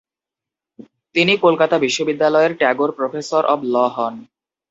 তিনি কলকাতা বিশ্ববিদ্যালয়ের Tagore professor of law হন।